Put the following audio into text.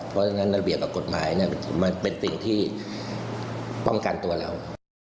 เพราะฉะนั้นระเบียบกับกฎหมายมันเป็นสิ่งที่ป้องกันตัวเรา